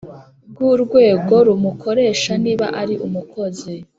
bw urwego rumukoresha niba ari umukozi